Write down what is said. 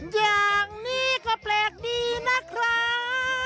อย่างนี้ก็แปลกดีนะครับ